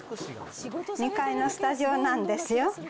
２階のスタジオなんですよ。